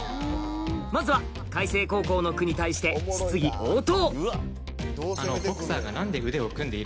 まずは開成高校の句に対して質疑応答